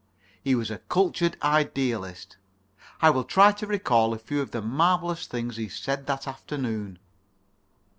He was a cultured idealist. I will try to recall a few of the marvellous things he said that afternoon.